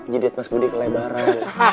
jadiat mas budi kelebaran